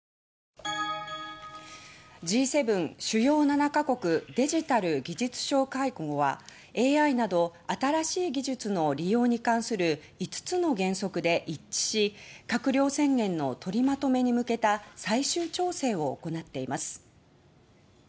Ｇ７・主要７か国デジタル・技術相会合はＡＩなど新しい技術の利用に関する５つの原則で一致し閣僚宣言の取りまとめに向けた最終調整を行っています。